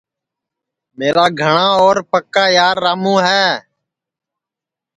میرا گھٹا اور پکا یارراموں ہے